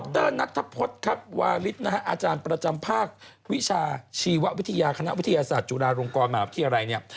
ดรนักทภพครับวาริสอาจารย์ประจำภาควิชาชีววิทยาคณะวิทยาศาสตร์จุฬาลงกรมาที่อะไรเนี่ย